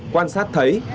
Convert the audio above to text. quan sát thấy